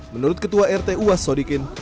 menurut ketua rt uwas sodikin